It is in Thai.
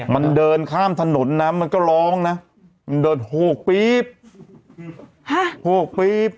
มันเดินข้ามถนนนะมันก็ร้องนะมันเดินโหกปี๊บโหกปี๊บ